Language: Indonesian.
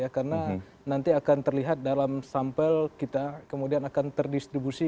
karena nanti akan terlihat dalam sampel kita kemudian akan terdistribusi